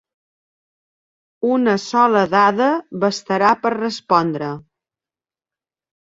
Una sola dada bastarà per respondre.